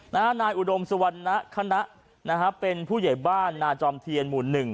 นายอุดมสุวรรณคณะนะฮะเป็นผู้ใหญ่บ้านนาจอมเทียนหมู่หนึ่ง